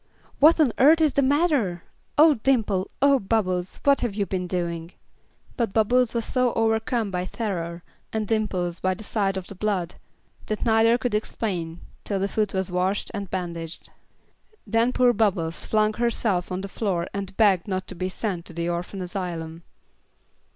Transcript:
"What on earth is the matter? Oh, Dimple! Oh, Bubbles! What have you been doing?" But Bubbles was so overcome by terror, and Dimples by the sight of the blood, that neither could explain till the foot was washed and bandaged. Then poor Bubbles flung herself on the floor and begged not to be sent to the orphan asylum.